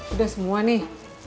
udah semua nih